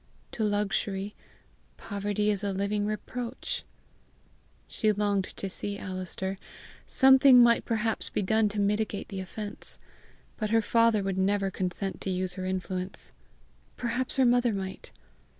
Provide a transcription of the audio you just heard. To luxury, poverty is a living reproach." She longed to see Alister: something might perhaps be done to mitigate the offence. But her father would never consent to use her influence! Perhaps her mother might!